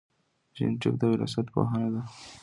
جینېټیک د وراثت پوهنه ده